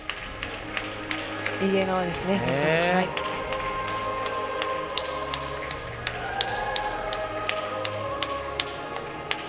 いい笑顔ですね、本当に。